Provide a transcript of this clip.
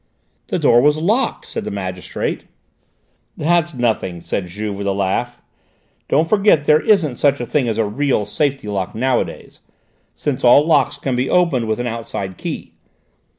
"The door was locked," said the magistrate. "That's nothing," said Juve with a laugh. "Don't forget that there isn't such a thing as a real safety lock nowadays since all locks can be opened with an outside key.